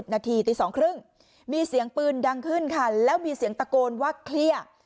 นาทีตี๒๓๐มีเสียงปืนดังขึ้นค่ะแล้วมีเสียงตะโกนว่าเครียด